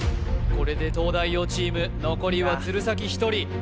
これで東大王チーム残りは鶴崎１人